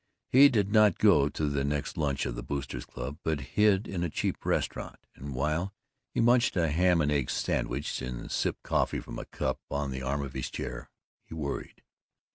He did not go to the next lunch of the Boosters' Club but hid in a cheap restaurant, and, while he munched a ham and egg sandwich and sipped coffee from a cup on the arm of his chair, he worried.